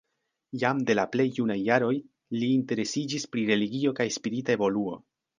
Jam de la plej junaj jaroj li interesiĝis pri religio kaj spirita evoluo.